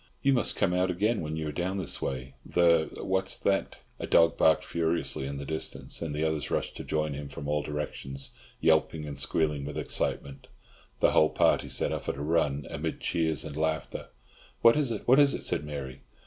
"You must come out again when you are down this way. The—what's that?" A dog barked furiously in the distance, and the others rushed to join him from all directions, yelping and squealing with excitement. The whole party set off at a run, amid cheers and laughter. "What is it, what is it?" said Mary.